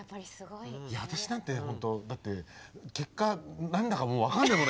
いや私なんて本当だって結果何だかもう分かんないもの